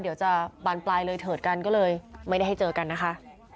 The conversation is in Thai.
เดี๋ยวจะบานปลายเลยเถิดกันก็เลยไม่ได้ให้เจอกันนะคะ